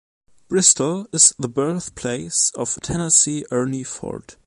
Bristol is the birthplace of Tennessee Ernie Ford.